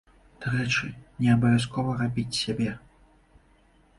Дарэчы, не абавязкова рабіць сябе.